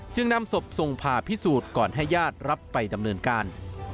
นำศพส่งผ่าพิสูจน์ก่อนให้ญาติรับไปดำเนินการ